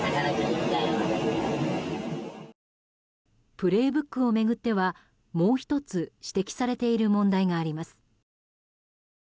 「プレイブック」を巡ってはもう１つ指摘されている問題があります。